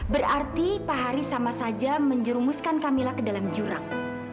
berarti pak haris sama saja menjerumuskan kamila ke dalam jurang